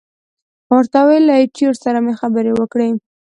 ما ورته وویل، له ایټور سره مې خبرې وکړې.